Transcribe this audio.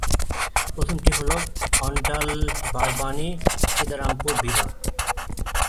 প্রথমটি হল অণ্ডাল-বারবানী-সীতারামপুর বিভাগ।